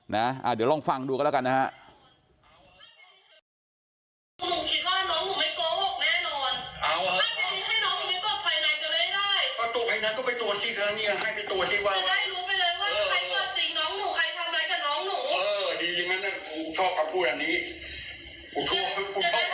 เดี๋ยวลองฟังดูกันแล้วกันนะฮะ